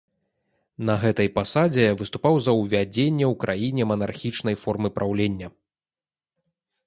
На гэтай пасадзе выступаў за ўвядзенне ў краіне манархічнай формы праўлення.